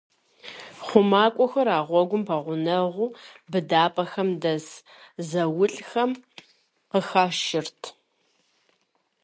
ХъумакӀуэхэр а гъуэгум пэгъунэгъу быдапӀэхэм дэс зауэлӀхэм къыхашырт.